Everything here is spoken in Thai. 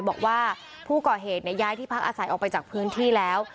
บอกว่าผู้ก่อเหตุย้ายที่พักอาศัยออกไปจากพื้นที่แล้ว